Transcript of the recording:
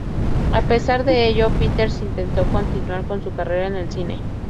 A pesar de ello, Peters intentó continuar con su carrera en el cine.